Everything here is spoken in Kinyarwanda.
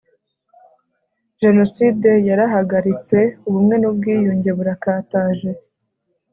jenoside yarahagaritse, ubumwe n'ubwiyunge burakataje